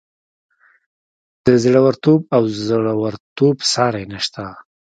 د زړه ورتوب او زورورتوب ساری نشته.